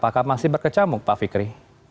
pak fikri kamu masih berkecamuk pak fikri